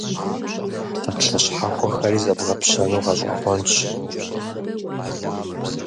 Псалъэ щхьэхуэхэри зэбгъэпщэну гъэщӀэгъуэнщ.